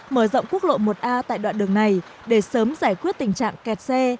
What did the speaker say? mở rộng quốc lộ một a tại đoạn đường này để sớm giải quyết tình trạng kẹt xe